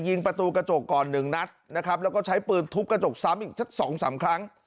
ประตูกระจกก่อนหนึ่งนัดนะครับแล้วก็ใช้ปืนทุบกระจกซ้ำอีกสักสองสามครั้ง